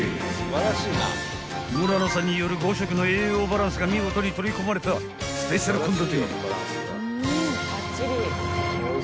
［村野さんによる５食の栄養バランスが見事に取り込まれたスペシャル献立］